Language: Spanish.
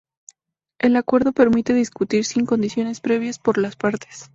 El acuerdo permite discutir sin condiciones previas por las partes.